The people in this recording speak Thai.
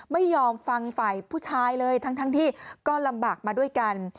ไม่ยอมฟังฝ่ายผู้ชายเลยทั้งที่ก็ลำบากมาด้วยกัน